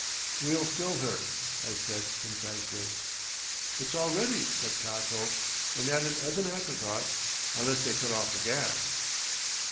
"We'll fill her," I said concisely. "It's all ready," said Cothope, and added as an afterthought, "unless they cut off the gas."...